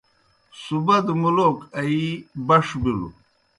سُبَدوْ مُلوک آیِی بَݜ بِلوْ۔